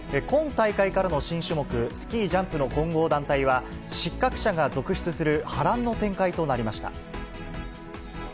今大会からの新種目、スキージャンプの混合団体は、失格者が続出する波乱の展開となりました。